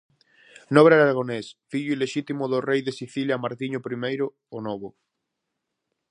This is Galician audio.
Nobre aragonés, fillo ilexítimo do rei de Sicilia Martiño Primeiro "o Novo".